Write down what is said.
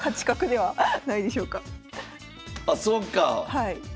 はい。